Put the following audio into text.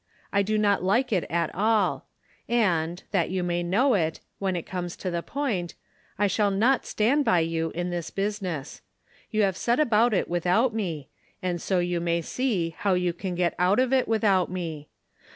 I do not like it at all ; and, that you may know it, when it comes to the point, I will not stand by you in this business. You have set about it without me, and so you may see how you can get out of it without me.